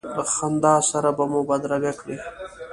د خندا سره به مو بدرګه کړې.